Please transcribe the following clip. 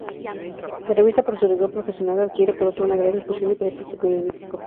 La revista, por su rigor profesional, adquiere pronto una gran difusión y prestigio periodístico.